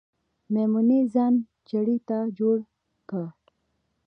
میمونۍ ځان چړې ته جوړ که